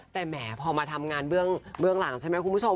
แต่แหมพอมาทำงานเบื้องหลังใช่ไหมคุณผู้ชม